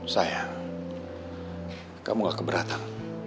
sayang kamu gak keberatan